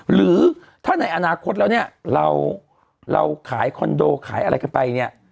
หรือถ้าในอนาคตแล้วเนี่ยเราขายคอนโดขายอะไรกันไปเนี่ย